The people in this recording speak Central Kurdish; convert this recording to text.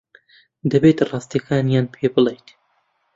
دەبێت ڕاستییەکانیان پێ بڵێیت.